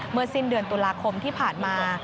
สิ้นเดือนตุลาคมที่ผ่านมา